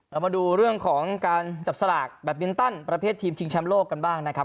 เรามาดูเรื่องของการจับสลากแบบมินตันประเภททีมชิงแชมป์โลกกันบ้างนะครับ